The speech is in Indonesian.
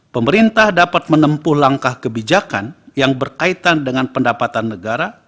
pemerintah dapat menempuh langkah kebijakan yang berkaitan dengan pendapatan negara